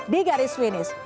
di garis start